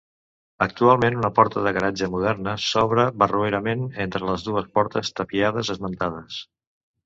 Actualment, una porta de garatge moderna s'obre barroerament entre les dues portes tapiades esmentades.